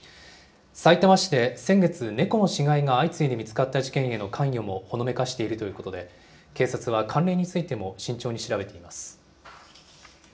さいたま市で先月、猫の死骸が相次いで見つかった事件への関与もほのめかしているということで、警察は関連についても慎重に調べています。